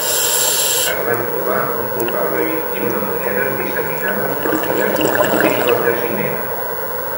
Es van trobar un total de vint-i-una monedes disseminades pels diversos àmbits del jaciment.